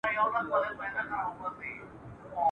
کله کله ځان ترې ورک سي چي غلام دی ..